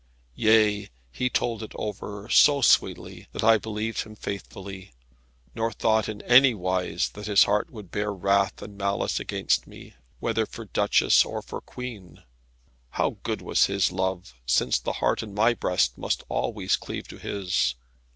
Yea, he told it over so sweetly, that I believed him faithfully, nor thought in any wise that his heart would bear wrath and malice against me, whether for Duchess or for Queen. How good was this love, since the heart in my breast must always cleave to his!